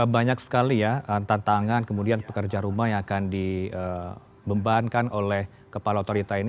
banyak sekali ya tantangan kemudian pekerja rumah yang akan dibebankan oleh kepala otorita ini